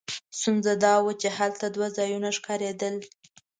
ستونزه دا وه چې هلته دوه ځایونه ښکارېدل.